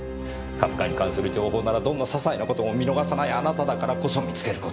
株価に関する情報ならどんな些細な事も見逃さないあなただからこそ見つける事ができた。